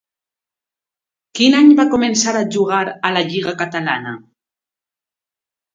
Quin any va començar a jugar a la Lliga catalana?